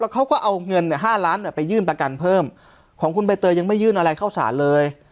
เขาก็เอาเงิน๕ล้านไปยื่นประกันเพิ่มของคุณใบเตยยังไม่ยื่นอะไรเข้าสารเลย